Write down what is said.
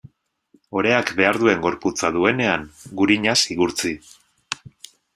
Oreak behar duen gorputza duenean, gurinaz igurtzi.